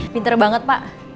pinter banget pak